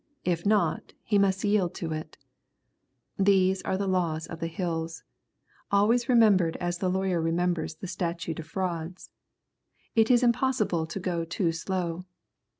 If not, he must yield to it. These are laws of the Hills, always remembered as the lawyer remembers the "statute of frauds." It is impossible to go too slow.